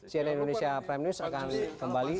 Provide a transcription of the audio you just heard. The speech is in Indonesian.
cnn indonesia prime news akan kembali